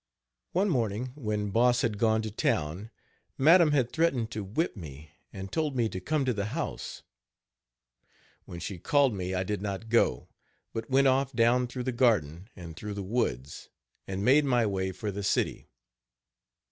One morning, when Boss had gone to town, Madam had threatened to whip me, and told me to come to the house. When she called me I did not go, but went off down through the garden and through the woods, and made my way for the city.